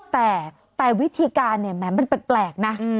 แต่แต่วิธีการเนี่ยแหมมันเป็นแปลกนะ